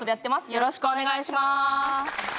よろしくお願いします